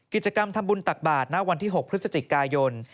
กิจกรรมทำบุญตักบาทณวันที่๖พฤศจิกายน